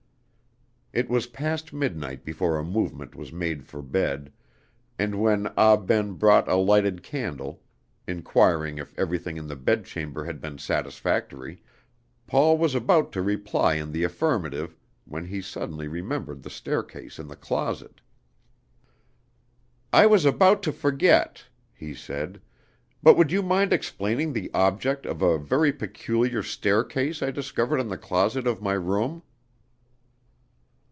It was past midnight before a movement was made for bed, and when Ah Ben brought a lighted candle, inquiring if everything in the bedchamber had been satisfactory, Paul was about to reply in the affirmative, when he suddenly remembered the staircase in the closet. "I was about to forget," he said, "but would you mind explaining the object of a very peculiar staircase I discovered in the closet of my room?"